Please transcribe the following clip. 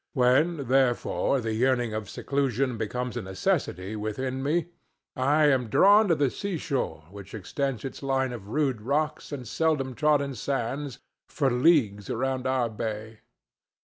When, therefore, the yearning for seclusion becomes a necessity within me, I am drawn to the seashore which extends its line of rude rocks and seldom trodden sands for leagues around our bay.